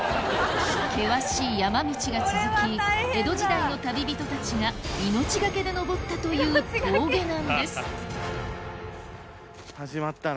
険しい山道が続き江戸時代の旅人たちが命がけで登ったという峠なんです始まったな。